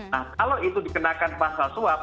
nah kalau itu dikenakan pasal suap